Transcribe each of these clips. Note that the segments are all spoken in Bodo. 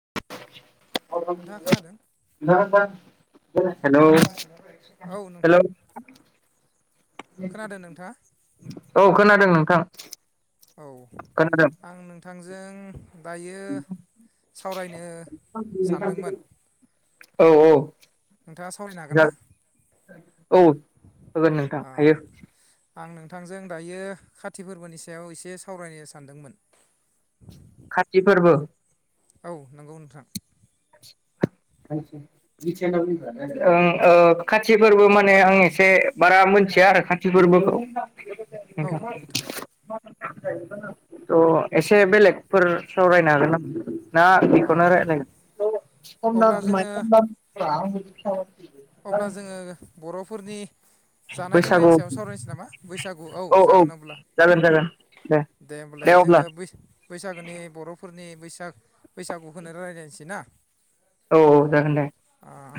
[inaudible] नोंथाङा खोनादों [unintelligible] हेलौ औ नोंथां हेलौ खोनादों नोंथाङा? औ खोनादों नोंथां। औ खोनादों आं नोंथांजों दायो सावरायनो सानदोंमोन। औ औ। नोंथाङा सावरायनो हागोन ना? जागोन [inaudible] औ हागोन नोंथां अ हायो। आं नोंथांजों दायो खाति फोरबोनि सायाव इसे सावरायनो सानदोंमोन। खाति फोरबो। औ नंगौ नोंथां। ओं ओ खाथि फोरबो माने आं इसे बारा मोनथिया आरो खाथि फोरबोखौ। औ नोंथां। औ एसे बेलेगफोर सावरायनो हागोन नाम ना अ बेखौनो रायलायगोन। अब्ला जोङो [inaudible] [unintelligible] अब्ला जोङो बर'फ फोरनि जानाय बैसागु लोंनायनि सायाव सावरायनोसै नामा बैसागु औ जागोन अब्ला जागोन जागोन दे होमबालाय जोङो बैस बैसागोनि बर'फ फोरनि बैसाग बैसागुखौनो रायलायनोसै ना? औ औ जागोन दे ओ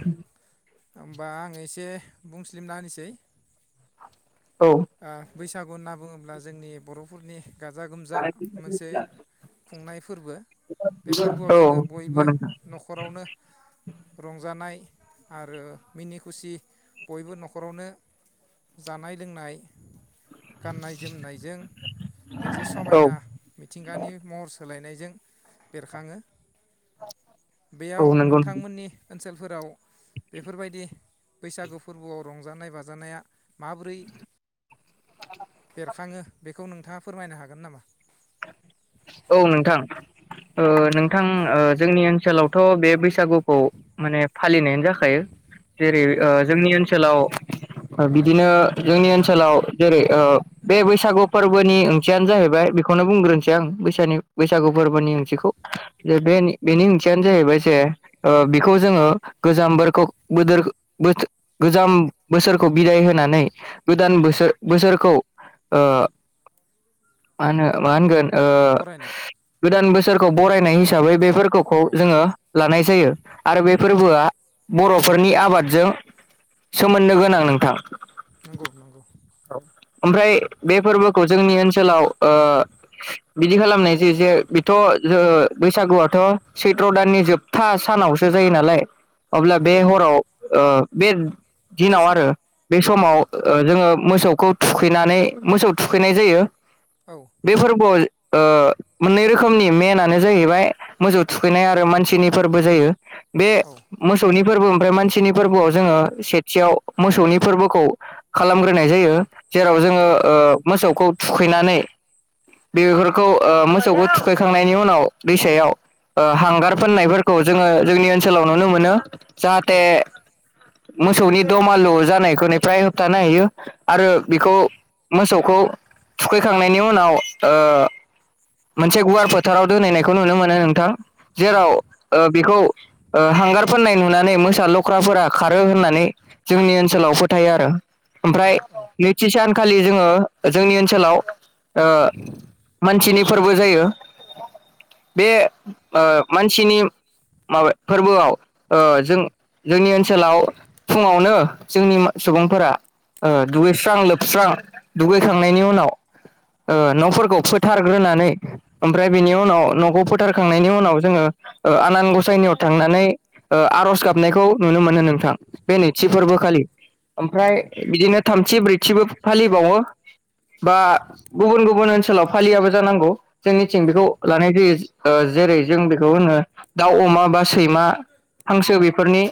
होमबा आं इसे बुंस्लिबना होनिसै औ बैसागु नाब बुङोब्ला जोंनि बर'फ फुरनि गाजा गोमजा मोनसे खुंनाय फोरबो बे फोरबोआव औ जोङो बयबो नंगौ नोंथां न'खरावनो रंजानाय आरो मिनि खुसि बयबो न'खरावनो जानाय लोंनाय गाननाय जोमनायजों मोनसे औ समायना मिथिंगानि महर सोलायनाय ज बेरखाङो बेयाव औ नंगौ नोंथांमोननि ओनसोलफोराव बेफोरबायदि बैसागु फोरबोआव रंजानाय बाजानाया माबोरै बेरखाङो? बेखौ नोंथाङा फोरमायनो हागोन नामा? औ नोंथां ओ नोंथां ओ जोंनि ओनसोलावथ' बे बैसागु खौ माने फालिनायानो जाखायो जेरै नंगौ जोंनि ओनसोलाव बिदिनो जोंनि ओनसोलाव जेरै बे बैसागु फोरबोनि ओंथियानो जाहैबाय बेखौनो बुंग्रोनोसै आं बैस बैसागु फोरबोनि ओंथिखौ जे बे बेनि ओंथियानो जाहैबाय जे बेखौ जोङो गोजाम बोरखौ बोदोरखो बोथो गोजाम बोसोरखौ बिदाय होनानै गोदान बोसो बोसोरखौ ओ मा होनो मा होनगोन? ओ बरायनाय। गोदान बोसोरखौ बरायनाय हिसा हिसाबै बे फोरखखौ औ जोङो लानाय जायो। आरो बे औ फोरबोआ बर'फोरनि आबादजों सोमोन्दो गोनां नोंथां। नंगौ नंगौ ओमफ्राय बे फोरबोखौ जोंनि ओनसोलाव ओ बिदि खालामनाय ज जे बेथ' जो बैसागुआथ' सैथ्र' दाननि जोबथा सानावसो जायो नालाय। अब्ला बे नंगौ हराव ओ बे बे दिनाव आरो सानाव बे औ समाव ओ जोङो मोसौखौ थुखैनानै मोसौ थुखैनाय जायो। औ बे फोरबोआव ओ मोननै रोखोमनि मेनानो जाहैबाय मोजौ थुखैनाय आरो मानसिनि फोरबो जायो। बे औ मोसौनि फोरबो ओमफ्राय मानसिनि फोरबोआव जोङो सेथियाव मोसौनि फोरबोखौ खालामग्रो नाय जायो। जेराव जोङो नंगौ ओ मोसौखौ थुखैनानै बेफोरखौ ओ मोसौखौ थुखैखांनायनि उनाव दैसायाव ओ हांगार फोननायफोरखौ जोङो जोंनि ओनसोलाव नुनो मोनो। औ जाहाथे मोसौनि दमालु जानायफोरनिफ्राय होबथानो हायो। [inaudible] आरो नंगौ बेखौ मोसौ खौ थुखैखांनायनि उनाव ओ मोनसे गुवार फोथाराव दोनहैनायखौ नुनो मोनो नोंथां। जेराव नंगौ ओ बेखौ ओ हांगार फोननाय नुनानै मोसा, लख्राफोरा खारो होननानै जोंनि ओनसोलाव फोथायो आरो। औ ओमफ्राय औ नैथि सान खालि जोङो जोंनि ओनसोलाव ओ मानसिनि। फोरबो जायो। बे ओ मानसिनि माबा फोरबोआव ओ जों जोंनि ओनसोलाव फुङावनो जोंनि सुबुंफोरा ओ दुगैस्रां-लोबस्रां दुगैखांनायनि उनाव ओ न'फोरखौ फोथार ग्रोनानै ओमफ्राय बेनि उनाव न'खौ फोथारखांनायनि उनाव जोङो ओ आनान गसाइनियाव थांनानै ओ आर'ज गाबनायखौ नुनो मोनो नोंथां। बे नैथि औ फोरबोखालि। ओमफ्राय नंगौ बिदिनो नोंथां थामथि ब्रैथिबो फालिबावो बा गुबुन गुबुन ओनसोलाव फालियाबो जानांगौ। जोंनिथिं नंगौ बेखौ लानाय जायो। ओ जेरै जों बेखौ होनो दाउ, अमा बा सैमा, हांसो बेफोरनि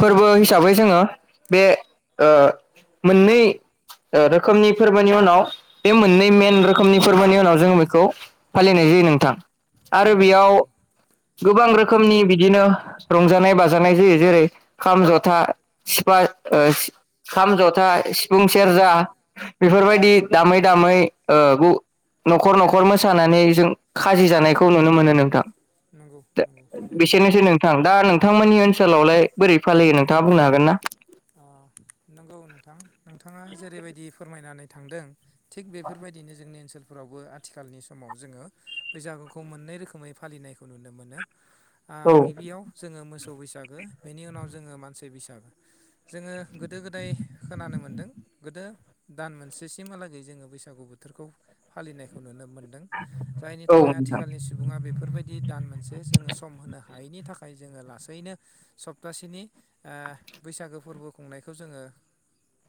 फोरबो हिसाबै जोङो बे ओ मोननै ओ रोखोमनि फोरबोनि उनाव बे मोननै मेन रोखोमनि फोरबोनि उनाव जोङो खौ फालिनाय जायो नोंथां। आरो नंगौ बेयाव गोबां रोखोमनि बिदिनो रंजानाय बाजानाय जायो जेरै खाम, जथा सिफा ओ सि खाम, जथा, सिफुं सेरजा बेफोरबायदि दामै दामै ओ न'खर न'खर। खर मोसानानै जों खाजि जानायखौ नुनो मोनो नोंथां। नंगौ नंगौ थारैनो बेसेनोसै नोंथां। दा नों थांमोननि ओनसोलावलाय बोरै फालियो नोंथाङा बुंनो हागोन ना? अ नंगौ नोंथां। नोंथाङा जेरैबायदि फोरमायनानै। थांदों। थिग बेफोरबायदिनो जोंनि ओनसोल फोरावबो आथिखालनि समाव जोङो बैसागुखौ मोननै रोखोमै फालिनायखौ नुनो मोनो। ओ औ गिबियाव जोङो मोसौ बैसागो बेनि उनाव जोङो मानसि बैसागो। जोङो गोदो गोदाय खोनानो मोनदों गोदो दान मोनसे सिमहालागै जोङो बैसागु बोथोरखौ फालिनायखौ नुनो मोनो। मोनदों जायनि औ थाखाय नोंथां आथिखालनि सुबुङा बेफोरबायदि दान मोनसे जोङो सम होनो हा हायैनि थाखाय जोङो लासैनो सप्तासेनि ओ बैसागो। फोरबो खुंनायखौ जोङो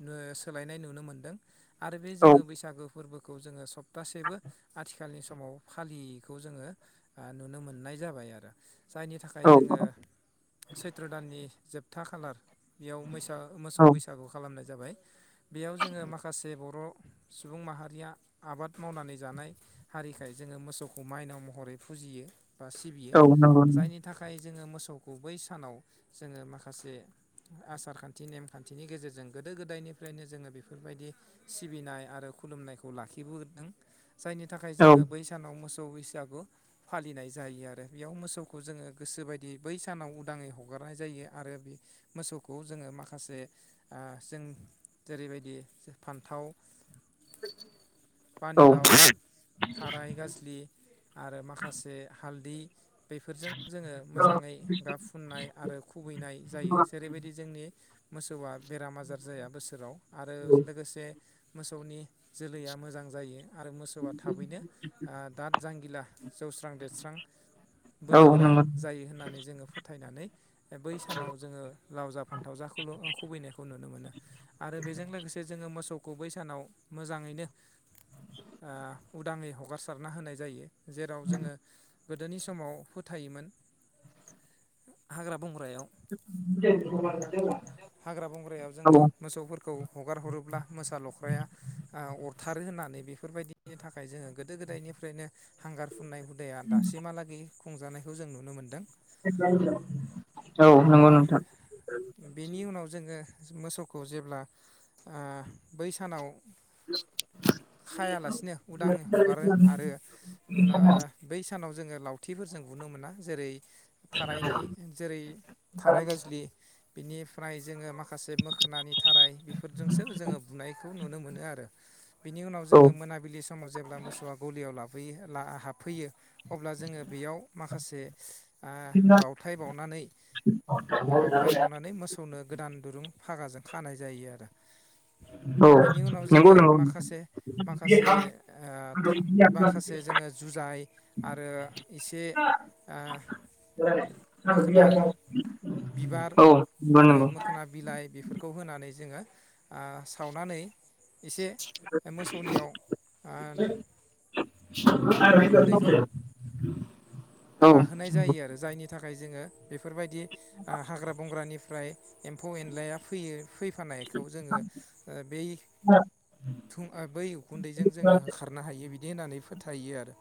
नों सोलायनाय नुनो मोन्दों। आरो बे औ जोङो बैसागु फोरबोखौ जोङो सप्तासेबो आथिखालनि समाव फालियैखौ जोङो ओ नुनो मोननाय जाबाय आरो। जायनि थाखाय जोङो औ सैत्र दाननि जोबथा खालार। बेयाव मोसौ। ओ मोसौ औ बैसागु खालामनाय जा जाबाय बेयाव जोङो माखासे बर' सुबुं माहारिया आबाद मावनानै जानाय हारिखाय जोङो मोसौखौ माइनाव महरै फुजियो। बा सिबियो औ नंगौ जायनि औ थाखाय जोङो मोसौखौ बै सानाव जोङो माखासे आसारखान्थि नेमखान्थिनि गेजेरजों गोदो गोदायनिफ्रायनो जोङो बेफोरबायदि सिबिनाय आरो खुलुमनायखौ लाखिबोदों। जायनि थाखाय औ जोङो बै सानाव मोसौ औ बैसागु फालिनाय जायो आरो बेयाव मोसौखौ जोङो गोसो बायदियै बै सानाव उदाङै हगारनाय जायो आरो बे मोसौखौ जोङो माखासे ऐ जों जेरैबायदि फान्थाव पानिलाव थाराय गाज्सलि आरो माखासे हालदै। बेफोरजों जोङो मोजाङै गाब फुननाय आरो खुबैनाय जायो। जेरैबायदि जोंनि मोसौआ बेराम आजार जाया बोसोराव आरो लोगोसे मोसौनि जोलैया मोजां जायो। आरो मोसौआ थाबैनो ओ दाद जांगिला जौस्रां देरस्रां। बोलोग्रा नंगौ जायो होननानै जोङो फोथायनानै बै सानाव जोङो जा फान्थाव जाखौल' खुबैनायखौ नुनो मोनो आरो बेजों लोगोसे जोङो मोसौखौ बै सानाव मोजाङैनो ओ उदाङै हगारसारना होनाय जायो। जेराव जोङो गोदोनि समाव फोथायोमोन हाग्रा बंग्रायाव [inaudible] हाग्रा बंग्रायाव जोङो औ मोसौफोरखौ हगार हरोब्ला मोसा लख्राया ओ अरथारो होननानै बेफोरबायदिनि थाखाय जोङो गोदो गोदायनिफ्रायनो हांगार फुननाय हुदाया दासिमहालागै खुंजानायखौ जों नुनो मोन्दों। औ नंगौ ओ नोंथां। बेनि [inaudible] उनाव जोङो मोसौखौ जेब्ला ओ बै सानाव खायालासिनो उदां हगारो आरो ओ बै सानाव जोङो लावथिफोरजों बुनो मोना जेरै थारायनि जेरै थाराय गाजलि बिनिफ्राय जोङो माखा माखासे मोखोनानि थाराइ बेफोरजोंसो जोङो बुनायखौ नुनो मोनो आरो बिनि उनाव औ जोङो मोनाबिलि समाव जेब्ला मोसौआ गलियाव लाब हाबैयो, हाबफैयो अब्ला जोङो बेयाव माखासे आ बावथाय बावनानै थाय बावनानै मोसौनो गोदान दुरुं फागाजों खानाय जायो आरो। औ बिनि उनाव जोङो नंगौ नंगौ नोंथां माखासे माखासे माखासे जोङो जुजाय आरो एसे मोखोना बिबार औ नंगौ आरो नंगौ मोखोना बिलाइ बेफोरखौ होनानै जोङो आ सावनानै एसे मोसौनियाव आ [unintelligible] औ लाहोनाय जायो आरो जायनि थाखाय जोङो बेफोरबायदि आ हाग्रा बंग्रानि फ्राय एम्फौ एनलाया फैयो फैफानायखौ जोङो बै बै उखुन्दैजों जोङो होखारनो हायो बिदि देनानै फोथायो आरो।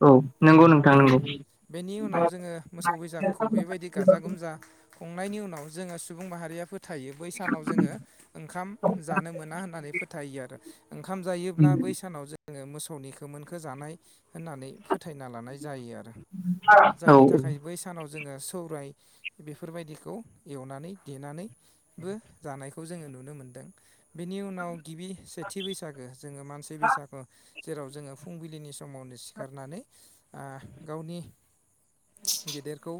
औ नंगौ नोंथां आ नंगौ बेनि उनाव जोङो मोसौ बैसागोखौ बेबायदि गाजा गोमजा खुंनायनि उनाव जोङो सुबुं माहारिया फो थायो बै सानाव जोङो ओंखाम जानो मोना होननानै फोथायो आरो ओंखाम जायोब्ला बै सानाव जों जोङो मोसौनि खोमोनखो जानाय होननानै फोथायना जायो आरो औ जायनि थाखाय बै सानाव जोङो सौराय बेफोरबायदिखौ एवनानै देनानैबो जानायखौ जोङो नुनो मोनदों। बेनि उनाव गिबि सेथि बैसागो जोङो मानसि बैसागो। जेराव जोङो फुंबिलिनि समावनो सिखारनानै आ गावनि गेदेरखौ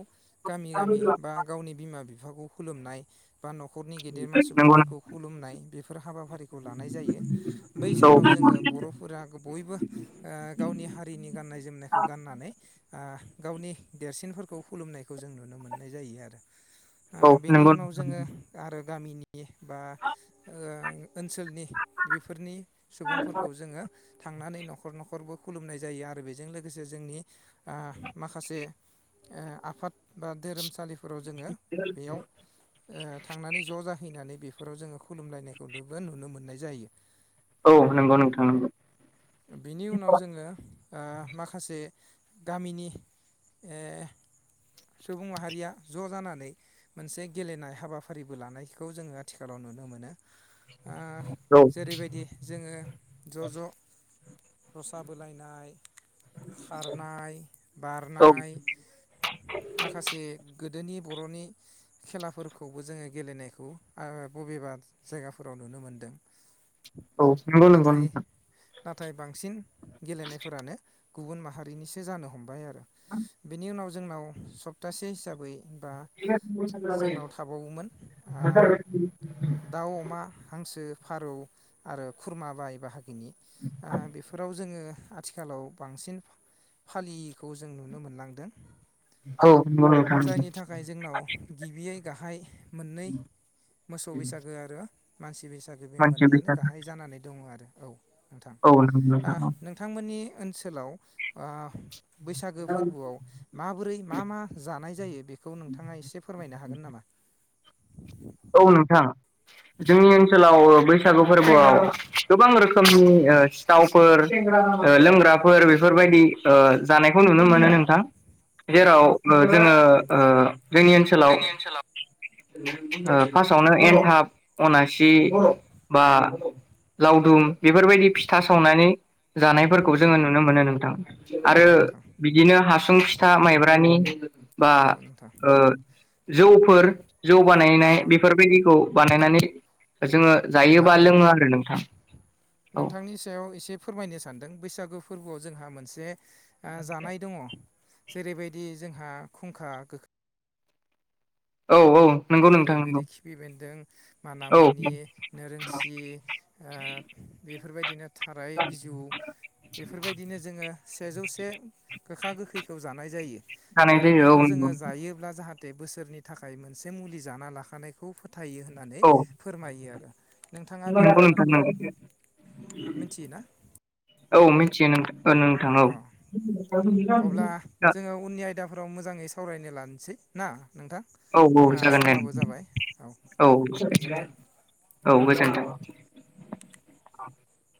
गामि गामि बा गावनि बिमा बि बिफाखौ खुलुमनाय बा न'खरनि गेदेरमा नंगौ सुबुंफोरखौ खुलुमनाय बेफोर हाबाफारिखौ लानाय जायो बै औ सानाव जोङो बर'फोरा बयबो ओ गावनि हारिनि गाननाय जोमनाय गाननानै आ गावनि देरसिनफोरखौ खुलुमनायखौ जों नुनो मोननाय जायो आरो। आ औ बेनि नंगौ उनाव नोंथां जोङो आरो गामिनि बा ओं ओनसोलनि बेफोरनि सुबुंफोरखौ जोङो थांनानै न'खर न'खरबो खुलुमनाय जायो आरो बेजों लोग लोगोसे जोंनि आ माखासे ओ आफाद बा धोरोमसालिफो फोराव जोङो बेयाव ओ थांनानै ज' जाहैनानै बेफोर बेफोराव जोङो खुलुमलायनायखौदोबो नुनो मोननाय जायो। औ नंगौ नोंथां नंगौ। आ माखासे गामिनि ओ सुबुं माहारिया ज' जानानै मोनसे गेलेनाय हाबाफारिबो लानायखौ जोङो आथिखालाव नुनो मोनो। आ औ जेरैबायदि जोङो ज' ज' रसा बोलायनाय खारनाय औ बारनाय माखासे गो दोनि बर'नि खेलाफोरखौबो जोङो गेलेनायखौ आ बबेबा जायगाफोराव नुनो मोनदों। औ नोंगौ नोंगौ नाथाय नोंथां। नाथाय बांसिन गेलेनायफोरानो गुबुन माहारिनिसो जानो हमबाय आर बेनि उनाव जोंनाव सप्तासे हिसाबै होनबा जोंनाव थाबावोमोन आ दाउ, अमा, हांसो फारौ आरो खुरमा बाय बाहागि नि आ बेफोराव जोङो थिखालाव बांसिन फालियैखौ जों नुनो मोनलांदों औ नंगौ नोंथां नंगौ जायनि थाखाय जोंनाव गिबियै गाहाइ मोननै मोसौ बैसागो आरो मानसि सि बैसागो मानसि मोननैयानो बैसागो गाहाइ जानानै दङ आरो। औ नोंथां औ नंगौ नोंथां आं औ नोंथांमोननि ओनसोल सोलाव आ बैसागो फोरबोआव माबोरै मा मा जानाय जायो बेखौ नोंथाङा एसे फोरमायनो हागोन नामा? औ नोंथां जोंनि ओनसोलाव बैसागु फोरबोआव गोबां रोखोमनि ओ सिथावफोर लोंग्राफोर बेफोरबायदि ओ जानायखौ नुनो मोनो नोंथां। औ जेराव ओ जोङो ओ जोंनि ओनसोलाव ओ फार्स्टआवनो एन्थाब अनासि बा लावदुम बेफोरबायदि फिथा सावनानै जानायफोरखौ जोङो नुनो मोनो नोंथां औ आरो नोंथां बिदिनो हासुं फिथा माइब्रानि बा औ नोंथां ओ जौफोर जौ ओ बानायनाय बेफोरबायदिखौ बानायनानै जोङो आं जायोबा लोङो आरो नोंथां। औ नोंथांनि सायाव एसे फोरमायनो सान्दों बैसागु फोरबोआव जोंहा मोनसे आ जानाय दङ'। जेरैबायदि जोंहा खुंखा गोखा औ औ नंगौ नोंथां नंगौ जेरैबायदि खिफि बेन्दों औ मानामुनि नोरोंसि आ बेफोरबायदिनो थाराय बिजौ बेफोरबायदिनो जोङो सेजौसे गोखा गोखैखौ जानाय जायो जानाय आरो जायो बेखौ औ जोङो नंगौ जायोब्ला जाहा थे बोसोरनि थाखाय मोनसे बे मुलि जाना लाखानायखौ फो थायो होननानै औ फोरमायो आरो नोंथाङा बे नंगौ नोंथां बाथ्राखौ नंगौ मिनथियोना? औ मि थियो नोंथां औ [unintelligible] दाफोराव मोजाङै सावरायनो लानोसै ना? नोंथां औ औ जोंहा जागोन समाबो दे जाबाय औ गोजोन्थों औ गोजोन्थों। [inaudible]